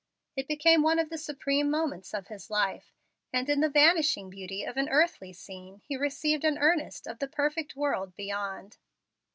It became one of the supreme moments of his life, and in the vanishing beauty of an earthly scene he received an earnest of the perfect world beyond.